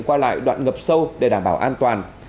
qua lại đoạn ngập sâu để đảm bảo an toàn